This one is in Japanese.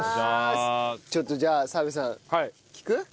ちょっとじゃあ澤部さん聞く？